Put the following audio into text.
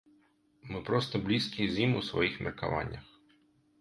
Мы проста блізкія з ім у сваіх меркаваннях.